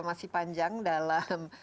masih panjang dalam